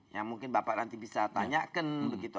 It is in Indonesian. yang mungkin bapak nanti bisa tanyakan begitu